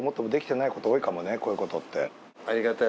こういうことって。